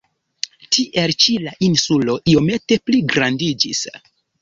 Tiel ĉi la insulo iomete pligrandiĝis.